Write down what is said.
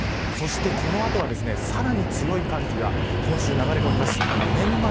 そして、この後はさらに強い寒気が今週流れ込みます。